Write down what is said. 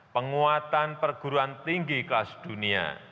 penguatan perguruan tinggi kelas dunia